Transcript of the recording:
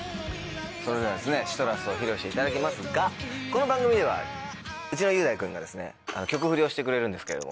それでは『ＣＩＴＲＵＳ』を披露していただきますがこの番組ではうちの雄大君が曲フリをしてくれるんですけども。